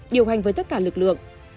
điều hành với tất cả lực lượng